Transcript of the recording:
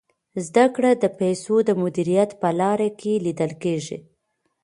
زده کړه د پیسو د مدیریت په لاره کي لیدل کیږي.